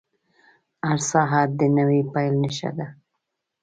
• هر ساعت د نوې پیل نښه ده.